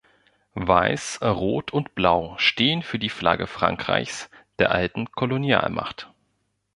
Weiß, Rot und Blau stehen für die Flagge Frankreichs, der alten Kolonialmacht.